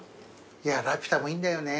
いや『ラピュタ』もいいんだよね。